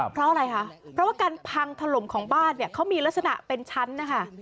เพราะอะไรคะเพราะว่าการพังถล่มของบ้านเนี่ยเขามีลักษณะเป็นชั้นนะคะ